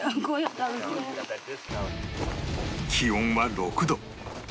気温は６度